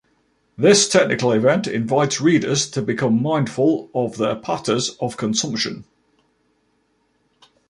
This "technical event" invites readers to become mindful of their patters of consumption.